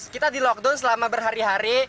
kita di lockdown selama berhari hari